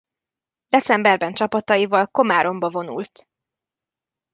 Decemberben csapataival Komáromba vonult.